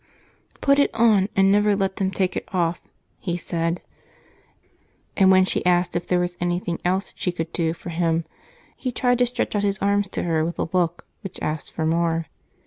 "Put it on, and never let them take it off," he said, and when she asked if there was anything else she could do for him, he tried to stretch out his arms to her with a look which asked for more.